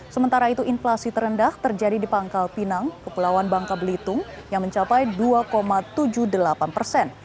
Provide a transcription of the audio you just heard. sementara itu inflasi terendah terjadi di pangkal pinang kepulauan bangka belitung yang mencapai dua tujuh puluh delapan persen